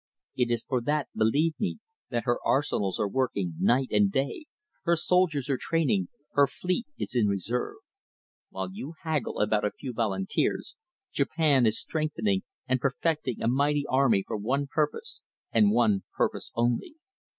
It is for that, believe me, that her arsenals are working night and day, her soldiers are training, her fleet is in reserve. While you haggle about a few volunteers, Japan is strengthening and perfecting a mighty army for one purpose and one purpose only.